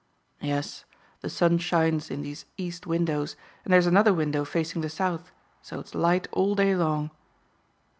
"Yes, the sun shines in these east windows, and there's another window facing the south, so it's light all day long."